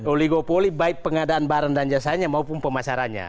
oligopoli baik pengadaan barang dan jasanya maupun pemasarannya